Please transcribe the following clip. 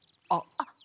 あっ。